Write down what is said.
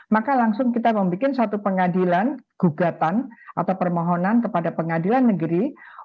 maka langsung kita membuat suatu pengadilan gugatan atau permohonan kepada pengadilan negeri